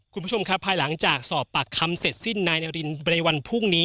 คุณผู้ชมครับภายหลังจากสอบปากคำเสร็จสิ้นนายนารินในวันพรุ่งนี้